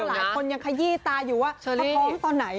หลายคนยังขยี้ตาอยู่ว่าจะท้องตอนไหน